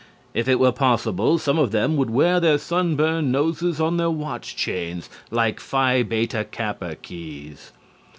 If it were possible, some of them would wear their sun burned noses on their watch chains, like Phi Beta Kappa keys.